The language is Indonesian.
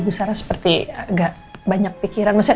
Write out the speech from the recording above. bu sarah seperti gak banyak pikiran maksudnya